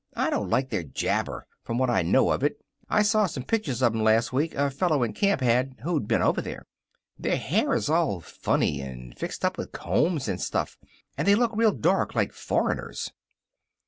I don't like their jabber, from what I know of it. I saw some pictures of 'em, last week, a fellow in camp had who'd been over there. Their hair is all funny, and fixed up with combs and stuff, and they look real dark like foreigners."